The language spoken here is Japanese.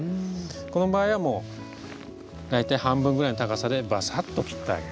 この場合はもう大体半分ぐらいの高さでバサッと切ってあげる。